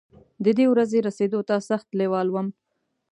د دې ورځې رسېدو ته سخت لېوال وم.